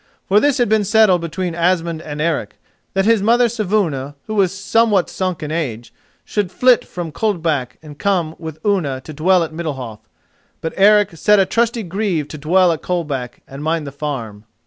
For this had been settled between Asmund and Eric, that his mother Saevuna, who was now somewhat sunk in age, should flit from Coldback and come with Unna to dwell at Middalhof. But Eric set a trusty grieve to dwell at Coldback and mind the farm.